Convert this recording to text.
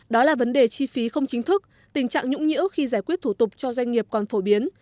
đó là vấn đề chi phí không chính thức tình trạng nhũng nhiễu khi giải quyết thủ tục cho doanh nghiệp còn phổ biến